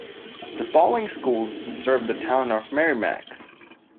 The following schools serve the town of Merrimac.